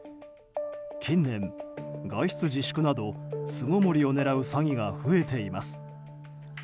近年、外出自粛など巣ごもりを狙う詐欺が増えています。